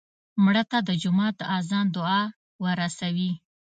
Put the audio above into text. مړه ته د جومات د اذان دعا ورسوې